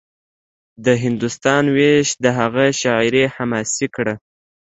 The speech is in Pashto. د هندوستان وېش د هغه شاعري حماسي کړه